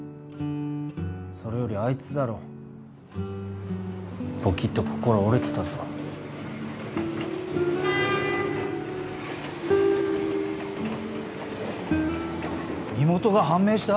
それよりあいつだろボキッと心折れてたぞ身元が判明した？